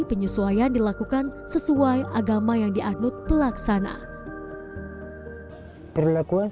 ini sudah yang terbaik berikan